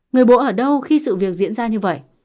người bố ở đâu khi sự việc diễn ra như vậy